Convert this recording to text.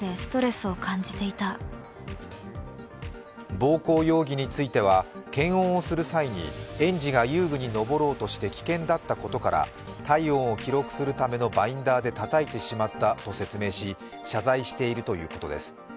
暴行容疑については、検温をする際に園児が遊具に登ろうとして危険だったことから体温を記録するためのバインダーでたたいてしまったと説明し謝罪しているということです。